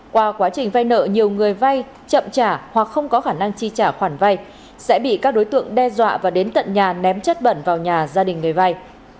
qua quá trình vay nợ nhiều người vay chậm trả hoặc không có khả năng chi trả khoản vay sẽ bị các đối tượng đe dọa và đến tận nhà ném chất bẩn vào nhà gia đình người vay